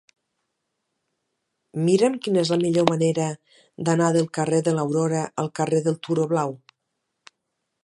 Mira'm quina és la millor manera d'anar del carrer de l'Aurora al carrer del Turó Blau.